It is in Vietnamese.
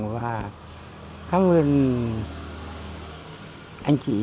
cảm ơn anh chị